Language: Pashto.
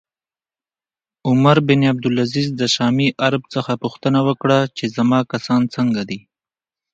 عمر بن عبدالعزیز د شامي عرب څخه پوښتنه وکړه چې زما کسان څنګه دي